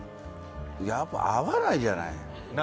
やっぱり合わないじゃない。